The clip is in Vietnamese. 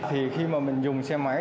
thì khi mà mình dùng xe máy